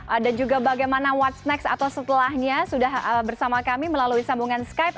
ada juga bagaimana what's next atau setelahnya sudah bersama kami melalui sambungan skype